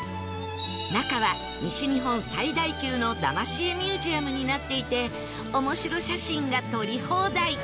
中は西日本最大級のだまし絵ミュージアムになっていて面白写真が撮り放題